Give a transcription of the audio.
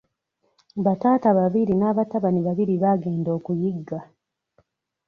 Bataata babiri n’abatabani babiri baagenda okuyigga.